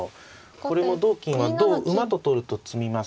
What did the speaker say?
これも同金は同馬と取ると詰みます。